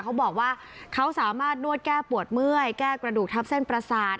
เขาบอกว่าเขาสามารถนวดแก้ปวดเมื่อยแก้กระดูกทับเส้นประสาท